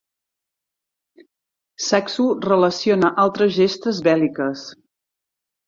Saxo relaciona altres gestes bèl·liques.